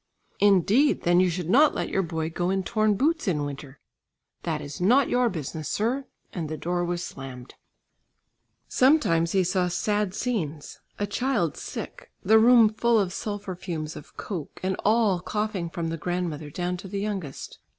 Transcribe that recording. "Indeed! Then you should not let your boy go in torn boots in winter." "That is not your business, sir," and the door was slammed. Sometimes he saw sad scenes, a child sick, the room full of sulphur fumes of coke, and all coughing from the grandmother down to the youngest.